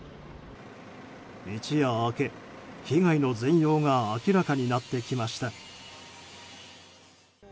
一夜明け、被害の全容が明らかになってきました。